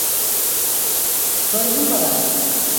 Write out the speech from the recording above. Торһон, балам.